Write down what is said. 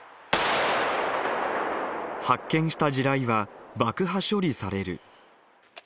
発見した地雷は爆破処理される。